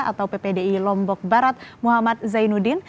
atau ppdi lombok barat muhammad zainuddin